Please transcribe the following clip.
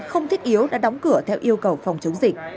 không thiết yếu đã đóng cửa theo yêu cầu phòng chống dịch